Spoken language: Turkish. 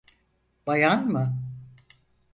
Bayan mı?